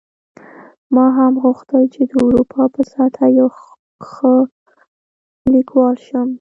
ما هم غوښتل چې د اروپا په سطحه یو ښه لیکوال شم